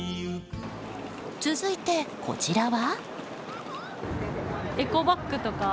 続いて、こちらは。